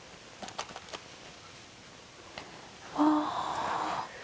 ああ。